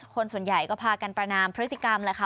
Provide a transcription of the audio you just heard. คนส่วนใหญ่ก็พากันประนามพฤติกรรมแหละค่ะ